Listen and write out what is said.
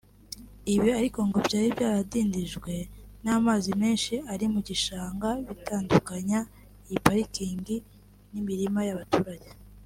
Ibi ariko ngo byari byaradindijwe n’amazi menshi ari mu gishanga gitandukanya iyi pariki n’imirima y’abaturage